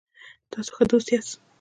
تاسو ښه دوست یاست